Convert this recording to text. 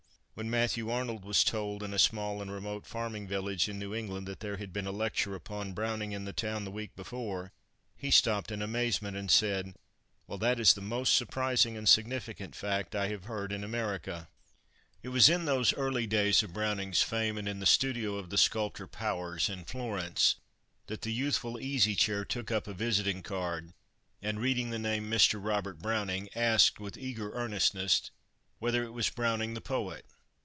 When Matthew Arnold was told in a small and remote farming village in New England that there had been a lecture upon Browning in the town the week before, he stopped in amazement, and said, "Well, that is the most surprising and significant fact I have heard in America." It was in those early days of Browning's fame, and in the studio of the sculptor Powers, in Florence, that the youthful Easy Chair took up a visiting card, and, reading the name Mr. Robert Browning, asked, with eager earnestness, whether it was Browning the poet.